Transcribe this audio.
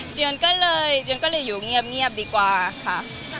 จียอนก็เลยอยู่เงียบดีกว่าค่ะ